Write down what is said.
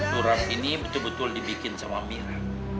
turap ini betul betul dibikin sama mira